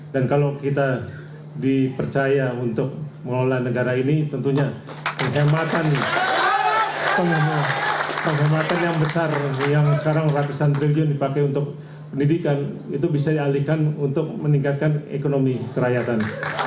dan kalau kita dipercaya untuk mengelola negara ini tentunya penghematan yang besar yang sekarang ratusan triliun dipakai untuk pendidikan itu bisa dialihkan untuk meningkatkan ekonomi kerayatan